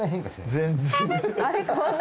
全然。